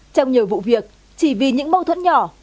trong nhiều vụ việc chỉ vì những mâu thuẫn nhỏ